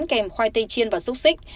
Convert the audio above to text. kèm khoai tây chiên và xúc xích